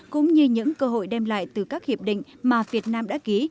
cũng như những cơ hội đem lại từ các hiệp định mà việt nam đã ký